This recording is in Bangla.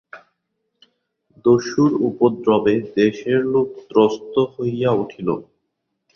দস্যুর উপদ্রবে দেশের লোক ত্রস্ত হইয়া উঠিল।